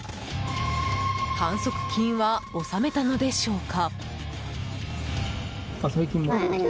反則金は納めたのでしょうか？